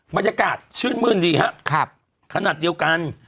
บรรยากาศชื่นมื้นดีครับขนาดเดียวกัน